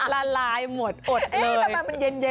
ละลายหมดอดเลย